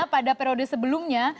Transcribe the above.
pada periode sebelumnya